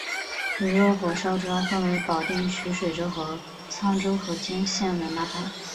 驴肉火烧主要分为保定徐水区和沧州河间县两大派。